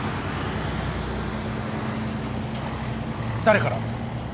誰から？